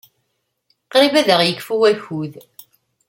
Qrib ad aɣ-yekfu wakud.